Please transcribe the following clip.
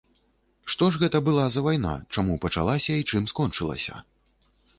Што ж гэта была за вайна, чаму пачалася і чым скончылася?